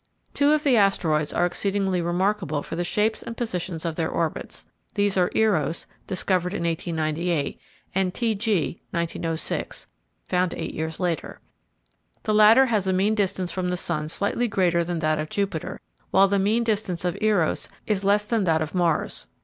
Two of the asteroids are exceedingly remarkable for the shapes and positions of their orbits; these are Eros, discovered in 1898, and T. G., 1906, found eight years later. The latter has a mean distance from the sun slightly greater than that of Jupiter, while the mean distance of Eros is less than that of Mars.